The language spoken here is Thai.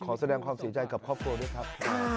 ขอแสดงความเสียใจกับครอบครัวด้วยครับ